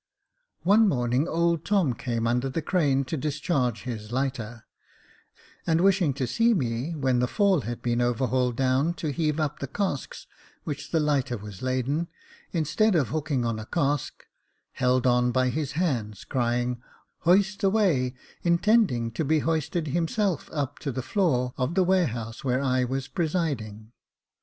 One morning old Tom came under the crane to discharge his lighter, and wishing to 148 Jacob Faithful see me, when the fall had been overhauled down, to heave up the casks with which the lighter was laden, instead of hooking on a cask, held on by his hands, crying, " Hoist away," intending to be hoisted himself up to the floor of the warehouse where I was presiding.